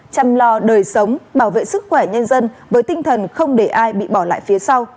chăm lo đời sống bảo vệ sức khỏe nhân dân với tinh thần không để ai bị bỏ lại phía sau